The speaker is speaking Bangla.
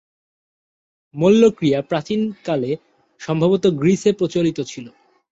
মল্লক্রীড়া প্রাচীনকালে সম্ভবত গ্রিসে প্রচলিত ছিল।